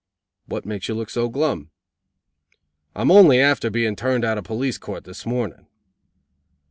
"What makes you look so glum?" "I'm only after being turned out of police court this morning."